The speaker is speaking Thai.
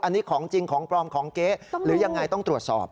อันนี้ของจริงของปลอมของเก๊หรือยังไงต้องตรวจสอบ